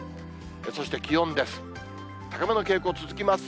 そして気温です。